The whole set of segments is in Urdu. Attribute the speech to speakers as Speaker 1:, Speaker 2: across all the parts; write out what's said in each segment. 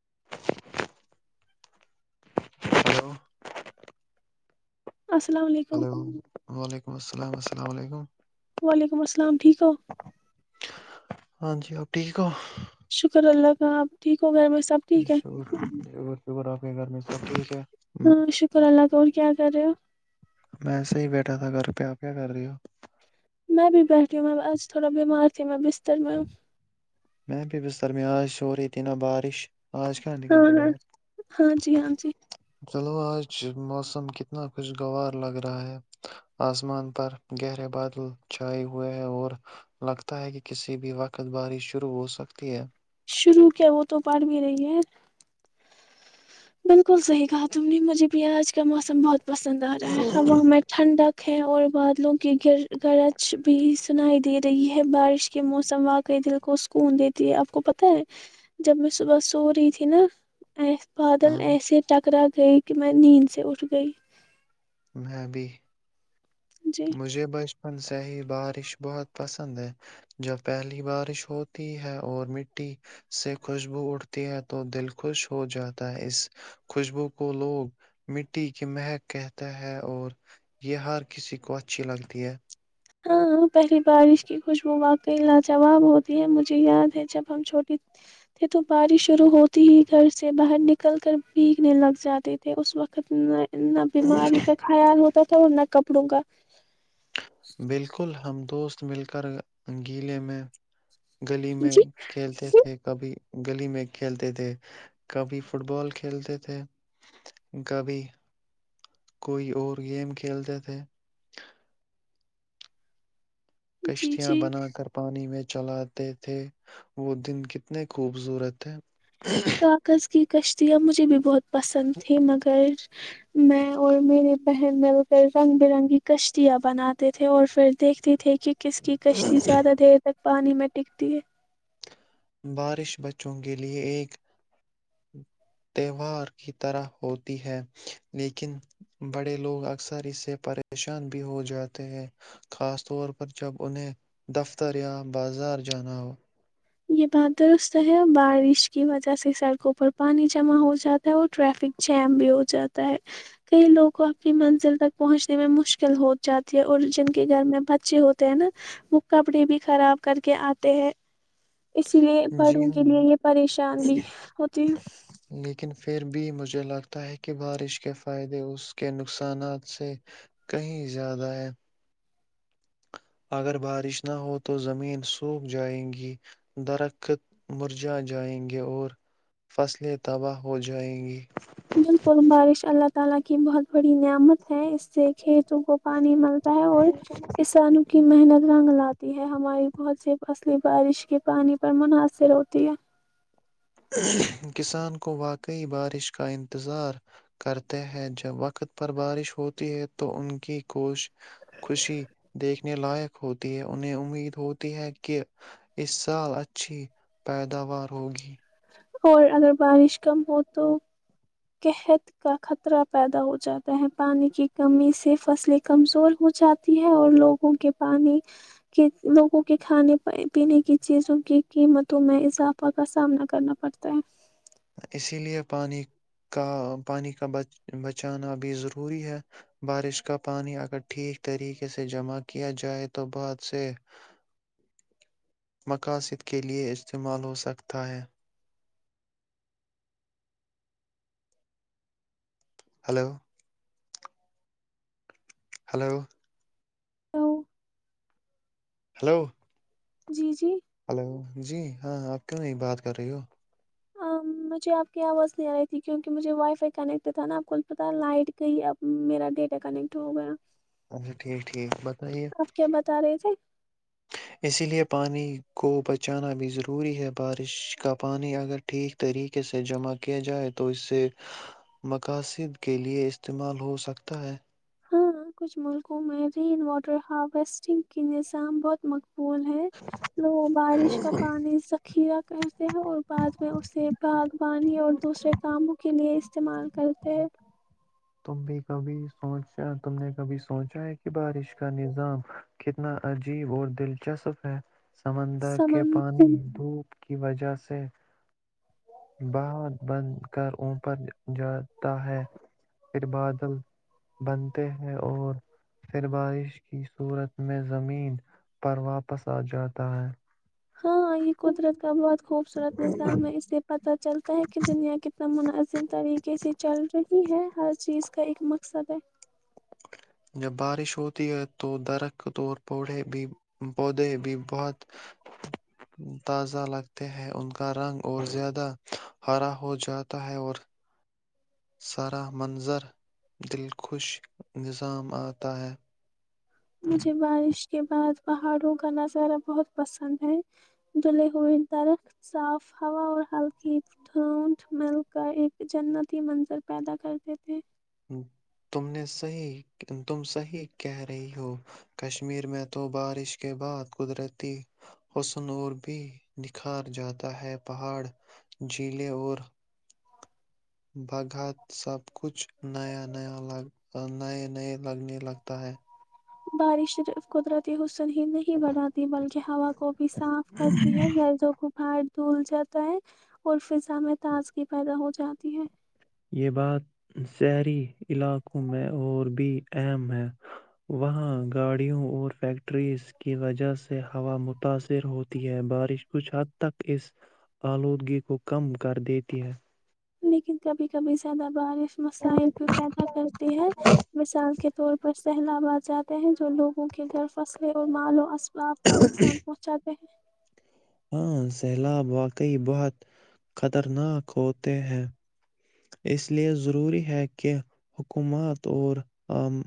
Speaker 1: [inaudible] ہلو
Speaker 2: السلام علیکم
Speaker 1: ہلو وعلیکم السلام السلام السلام علیکم
Speaker 2: وعلیکم السلام ٹھیک ہو
Speaker 1: ہاں جی آپ ٹھیک ہو
Speaker 2: شکر اللہ کا آپ ٹھیک ہو گھر میں سب ٹھیک
Speaker 1: س
Speaker 2: ہے
Speaker 1: شکر آپ کے گھر میں سب ٹھیک ہے
Speaker 2: ہاں شکر اللہ اور کیا کر رہے ہو
Speaker 1: ایسے ہی بیٹھا تھا گھر پے آپ کیا کر رہی ہو
Speaker 2: میں بھی بیٹھی ہوں آج تھوڑا بیمار تھی میں بی اتر میں ہو
Speaker 1: م پ بستر میں آ سور ا تینا بارش [unintelligible] کہاں
Speaker 2: ہاں
Speaker 1: نکلتے
Speaker 2: ہاں
Speaker 1: باہر
Speaker 2: ہاں جی ہاں جی
Speaker 1: چلو آج موسم کتنا خوشگوار لگ رہا ہے آسمان پر گہرے بادل چھائے ہوئے ہے اور لگتا ہے کہ کسی بھی وقت بارش شروع ہو سکتی ہے
Speaker 2: شروع کیا وہ تو پڑ بھی رہی ہے بالکل صحیح کہا تم نے مجھے بھی آج کا موسم بہت پسند آ رہا ہے ہوا میں ٹھنڈک ہیں اور بادلوں کی گر گرج بھی سنائی دے رہی ہے بارش کے موسم واقعی دل کو سکون دیتی ہے آپ کو پ جب میں صبح سو رہی تھی نا ایس
Speaker 1: ہ
Speaker 2: بادل ایسے ٹکرا تھے کہ میں نیند سے اٹھ گئی
Speaker 1: میں بھی
Speaker 2: جی
Speaker 1: مجھے بس سے ہی بارش بہت پسند ہے جب پہلی بارش ہوتی ہے اور مٹی سے خوشبو اھتی ہے تو دل خوش ہو جاتا ہے اس خوشبو کو لوگ مٹی کی مہک کہتا ہے اور یہ ہر کسی کو اچھی لگتی ہے [inaudible]
Speaker 2: ہاں پہلی بارش کی خوشبو واقعی لاجواب ہوتی ہے مجھے یاد ہے جب ہم چھوٹی تھے تو بارش شروع ہوتی ہی گھر سے باہر نکل کر بھیگنے لگ جاتے تھے اس وقت نا بیماری کا خیال ہوتا نا کپڑوں کاا
Speaker 1: بالکل بالکل ہم دوست مل کر گیلے میں گلی میں
Speaker 2: جی
Speaker 1: کھیلتے تھے کبھی گلی میں کھیلتے تھے کبھی فٹ بال کھیلتے تھے کبھی کوئی اور گیم کھیلتے تھے
Speaker 2: جی
Speaker 1: کشتیاں
Speaker 2: جی
Speaker 1: بنا کر پانی میں چلاتے تھے وہ دن کتنے خوبصورت ہے
Speaker 2: کاغذ کی کشتیاں مجھے بھی بہت پسند تھی مگر میں اور میرری بہن مل کر رنگ برنگی کشتیاں بناتے تھے اور پھر دیکھتے تھے کہ کس کی کشتی زیادہ دیر تک پانی میں ٹکتی ہے
Speaker 1: بارش بچوں کے لے ایک تہوار کی طرح ہوتی ہے لیکن بڑے لوگ اکثر اس سے پریشان بھی ہو جاتے ہیں خاص طور پر جب انہیں دفتر یا بازار جانا ہو
Speaker 2: یہ بات درست ہے بارش کی وجہ سے سڑکوں پر پانی جمع ہو جاتا ہے اور ٹریفک جیم بھی ہو جاتا ہے کئی لوگ کو اپنی منزل تک پہنچنے میں مشکل ہو جاتی ہے اور جن کے گھر میں بچے ہوتے ہیں نا وہ کپڑے بھی خراب کر کے آتے ہیں اسی لیے
Speaker 1: جی
Speaker 2: بڑوں کے
Speaker 1: ہاں
Speaker 2: لیے یہ پریشان بھی ہوتے ہیں
Speaker 1: لیکن پھر بھی مجھے لگتا ہے کہ بارش کے فائدے اس کے نقصانات سے کہیں زیادہ ہے اگر بارش نہ ہو تو زمین سوکھ جائیں گی درخت مرجا جائیں گے اور فصلیں تباہ ہو جائیں گی
Speaker 2: بالکل بارش اللہ تعالی کی بہت بڑی نعمت ہے اس سے کھیتوں کو پانی ملتا ہے اور کسان کی محنت رنگ لاتی ہے ہماری بہت سی فصلیں بارش کے پانی پر منحصر ہوتی ہے
Speaker 1: کسان کو واقعی بارش کا انتظار کرتے ہیں جب وقت پر بارش ہوتی ہے تو ان کی کوش خوشی دیکھنے لائق ہوتی ہے انہیں امید ہوتی ہے کہ اس سال اچھی پیداوار ہوگی
Speaker 2: اور اگر بارش کم ہو تو قحت کا خطرہ پیدا ہو جاتا ہے پانی کی کمی سے فصلیں کمزور ہو جاتی ہے اور لوگوں کے پانی کے لوگوں کے کھانے پینے کی چیزوں کی قیمتوں میں اضافہ کا سامنا [inaudible]
Speaker 1: اسی لے پانی کا بچانا بھی ضروری ہے بارش کا پانی اگر ٹھیک طریقے سے جمع کیا جائے تو بعد سے مقاصد کے لئے استعمال ہوسکتا ہے ہلو ہلو
Speaker 2: دوو [inaudible]
Speaker 1: ہلو
Speaker 2: جی جی
Speaker 1: ہلو جی ہاں آپ کیوں نہیں بات کر رہی ہو
Speaker 2: مجھے آپ کی آواز نہیں آ رہی تھی کیونکہ مجھے وائی فائی کنیکٹ تھا نا آپ کو پت لائٹ کا ہی اب میرا ڈیٹا کنیکٹ ہو گیا
Speaker 1: اچھا ٹھیک ٹھیک بتائیے
Speaker 2: آپ کیا بتا رہے تھے
Speaker 1: اسی لے پانی کو بچانا بھی ضروری ہے بارش کا پانی اگر ٹھیک طریقے سے جمع کیا جائے تو اسے مقاصد کےلئے استعمال ہوسکتا ہے
Speaker 2: ہاں کچھ ملکوں میں رین واٹر ہارویسٹنگ کی نظام بہت مق بول ہے وہ بارش کا پانی ذخیرہ کرتے ہیں اور بعد میں اسے باغبانی اور دوسرے کاموں کے لیے استعمال کرتے
Speaker 1: تم بھی کبھی سوچا تم نے کبھی سوچا ہے کہ بارش کا نظام کتنا عجیب اور دلچسپ ہے سمندر کے
Speaker 2: سمن
Speaker 1: پان دوپ کی وجہ سے بات بن کر اوپر جاتا ہے پھر بادل بنتے ہیں اور پھر بارش کی صورت میں زمین پر واپس آ جاتا ہے
Speaker 2: ہاں یہ قدرت کا بہت خوبصورت نظام ہے اسے پت چلتا ہے کہ دنیا کتنا مناظب طریقے سے چل رہی ہے ہر چیز کا ایک مقصد ہے
Speaker 1: جب بارش ہوتی ہے تو درخت کے طور پر پڑے بھی پودے بھی بہت تازہ لگتے ہیں ان کا رنگ اور زیادہ ہرا ہو جاتا ہے اور سارا منظر دلخوش نظام آتا ہے
Speaker 2: اس کے بعد پہاڑوں کا نظارہ بہت پسند ہے دھلے ہوئے درخت صاف ہوا اور ہلکی ڈھونڈ مل کا ایک جنتی منظر پیدا کرتے تھے
Speaker 1: تم نے صحیح تم صحیح کہہ رہی ہو کشمیر میں تو بارش کے بعد قدرتی حسن اور بھی نکھار جاتا ہے پہاڑ جلیں اور بگت سب کچھ نیا نیا نئے نئے لگنے لگتا ہے
Speaker 2: بارش صرف قدرتی ح ہی نہیں بڑھاتی بلکہ ہوا کو بھی صاف کرتی ہے گرضوں کو بھی پار دھل جاتا ہے اور فضا میں تاز پیدا ہو جاتی ہے
Speaker 1: یہ بات شہری علاقوں میں اور بھی اہم ہے وہاں گاڑیوں اور فیکٹریز کی وجہ سے ہوا متاثر ہوتی ہے بارش کچھ حد تک اس آلودگی کو کم کر دیتی ہے
Speaker 2: لیکن کبھی کبھی زیادہ بارش مسائل بھی پیدا کرتے ہیں مثال کے طور پر سہلاباد جاتے ہیں جو لوگوں کے غ فصلے اور مال و ام آپ کا نقصان پہنچا ب [inaudible]
Speaker 1: ہاں سیلاب واقعی بہت خطرناک ہوتے ہیں اس لیے ضروری ہے کہ حکومت اور عام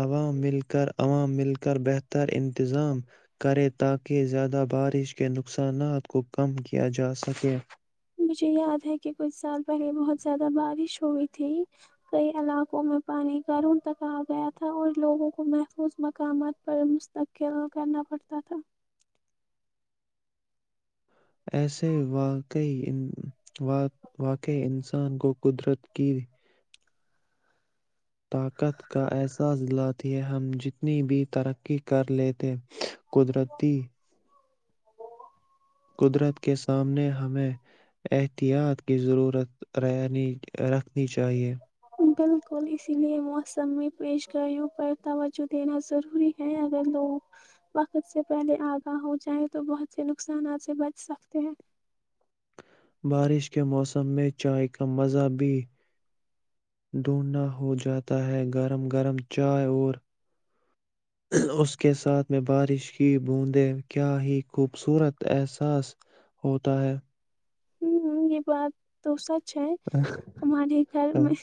Speaker 1: عوام مل کر عوام مل کر بہتر انتظام کریں تاکہ زیادہ بارش کے نقصانات کو کم کیا جا سکے
Speaker 2: مجھے یاد ہے کہ کچھ سال پہلے بہت زیادہ بارش ہوئی تھی کئی علاقوں میں پانی کا رون تک آ گیا تھا اور لوگوں کو محفوظ مقامات پر مستقل کرنا پڑتا تھا
Speaker 1: ایسے واقعی واقع انسان کو قدرت کی طاقت کا ایسا ضلع ہے ہم جتنی بھی ترقی کر لیتے قدرتی
Speaker 2: [inaudible]
Speaker 1: قدرت کے سامنے ہمیں احتیاط کی ضرورت رکھ
Speaker 2: بالکل اسی لیے موسم میں پیش گاریوں پر توجہ دینا ضروری ہے اگر لوگ وقت سے پہلے آگاہ ہو جائیں تو بہت سے نقصانات سے بچ سکتے ہیں
Speaker 1: بارش کے موسم میں چائے کا مزہ بھی ڈھونڈھنا ہو جاتا ہے گرم گرم چائے اور اس کے ساتھ میں بارش کی بوندیں کیا ہی خوبصورت احساس ہوتا ہے
Speaker 2: ہوں یہ بات تو سچ ہے ہمارے گھر میں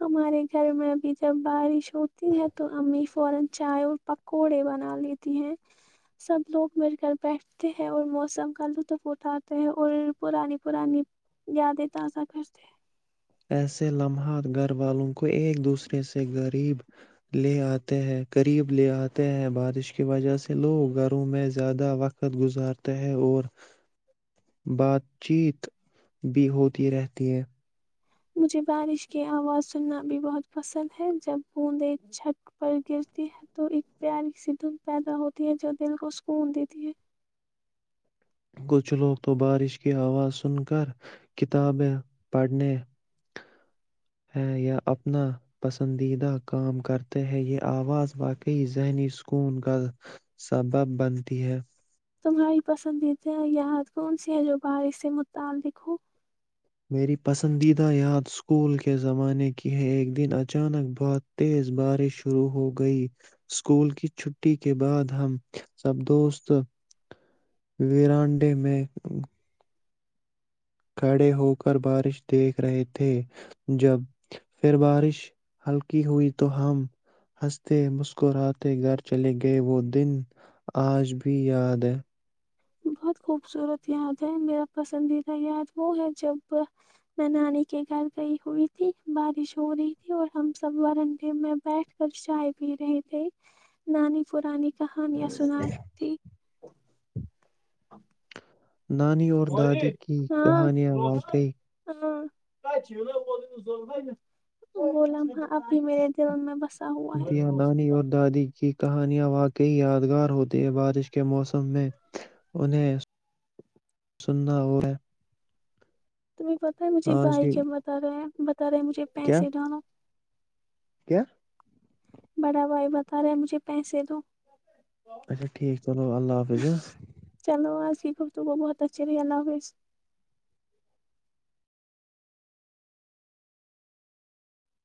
Speaker 2: ہمارے گھر میں ابھی جب بارش ہوتی ہے تو ہمیں فورا چائے اور پکوڑے بنا لیتی ہے سب لوگ میرے گھر بیٹھتے ہیں اور موسم کا لطف اٹھاتے ہیں اور پرانی پرانی یاد تازہ کرتے
Speaker 1: ایسے لمحات گھر والوں کو ایک دوسرے سے غریب لے آتے ہیں قریب لے آتے ہیں بارش کی وجہ سے لوگ گھروں میں زیادہ وقت گزارتے ہیں اور بات چیت بھی ہوتی رہتی ہے
Speaker 2: مجھے بارش کی آواز سننا بھی بہت پسند ہے جب بوندیں چھت پر گرتی ہے تو ایک پیاری سی دھند پیدا ہوتی ہے جو دل کو سکون دیتی ہے
Speaker 1: کچھ لوگ تو بارش کی آواز سن کر کتابیں پڑھنے ہیں یا اپنا پسندیدہ کام کرتے ہیں یہ آواز واقعی ذہنی سکون کا سبب بنتی ہے
Speaker 2: تمہاری پسندیدہ یاد کون سی ہے جو بارش سے متعلق ہو
Speaker 1: میری پسندیدہ یاد اسکول کے زمانے کی ہے ایک دن اچانک بہت تیز بارش شروع ہو گئی اسکول کی چھٹی کے بعد ہم سب دوست ویرانڈے میں کھڑے ہو کر بارش دیکھ رہے تھے جب پھر بارش ہلکی ہوئی تو ہم ہنستے مسکراتے گھر چلے گئے وہ دن آج بھی یاد ہے
Speaker 2: بہت خوبصورت یاد ہے میرا پسندیدہ یاد وہ ہے جب میں نانی کے گھر گئی ہوئی تھی بارش ہو رہی تھی اور ہم سب ورنڈے میں بیٹھ کر چائے پی رہے تھے نانی پرانی کہانیاں سناتی [inaudible] [inaudible]
Speaker 1: نانی اور دادی کی کہانیاں واقعی
Speaker 2: ہاں وہ لمحہ اب بھی میرے دل میں بسا ہوا ہے
Speaker 1: دیا نانی اور دادی کی کہانیاں واقع کئی یادگار ہوتی ہے بارش کے موسم میں انہیں سننا اور
Speaker 2: تمہیں پتہ ہے مجھے
Speaker 1: آج
Speaker 2: بھائی
Speaker 1: کی
Speaker 2: کیا بتا رہے ہیں ارے مجھے
Speaker 1: کیا
Speaker 2: پیسے ڈالو
Speaker 1: کیا
Speaker 2: بڑا بھائی بتا رہے ہیں مجھے پیسے دو
Speaker 1: اچھا ٹھیک چلو اللہ حافظ ہہہ
Speaker 2: ٹھیک ہو تو وہ بہت اچھے رہ اللہ حافظ